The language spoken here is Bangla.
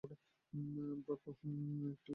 ব্রহ্ম এটি লক্ষ্য করল।